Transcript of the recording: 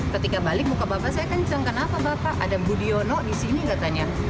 ketika balik muka bapak saya kan disangka kenapa bapak ada budiono di sini katanya